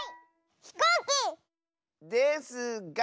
ひこうき！ですが。